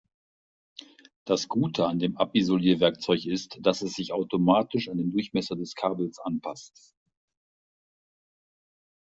Das Gute an dem Abisolierwerkzeug ist, dass es sich automatisch an den Durchmesser des Kabels anpasst.